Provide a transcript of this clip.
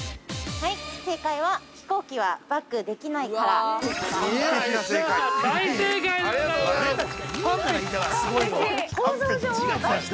◆はい、正解は、飛行機はバックできないからでした。